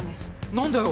何だよ？